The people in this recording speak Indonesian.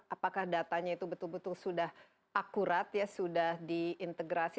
apakah datanya itu betul betul sudah akurat ya sudah diintegrasi